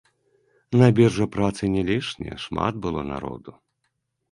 На біржы працы не лішне шмат было народу.